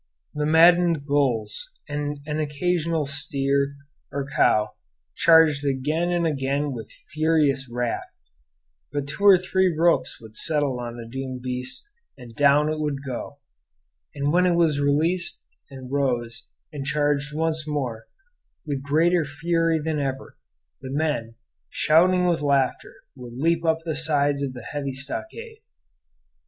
The maddened bulls, and an occasional steer or cow, charged again and again with furious wrath; but two or three ropes would settle on the doomed beast, and down it would go; and when it was released and rose and charged once more, with greater fury than ever, the men, shouting with laughter, would leap up the sides of the heavy stockade.